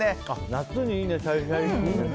夏にいいね。